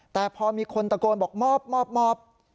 แต่พอมีคนตะโกนบอกมอบ